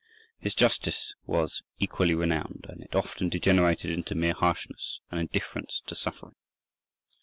His justice was equally renowned, but it often degenerated into mere harshness and indifference to suffering.